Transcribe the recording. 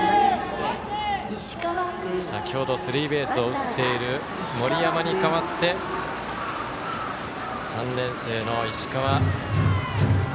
先ほどスリーベースを打っている森山に代わって３年生の石川。